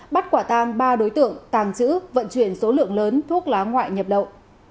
bắt quả tang ba đối tượng tàng trữ vận chuyển số lượng lớn thuốc lá ngoại nhập lậu